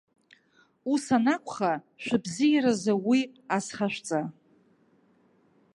Ус анакәха, шәыбзиаразы уи азхашәҵа.